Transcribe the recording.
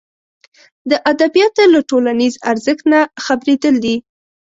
د ادبیاتو له ټولنیز ارزښت نه خبرېدل دي.